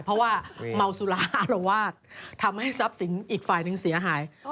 เพราะว่าเมาสุราอารวาสทำให้ทรัพย์สินอีกฝ่ายหนึ่งเสียหาย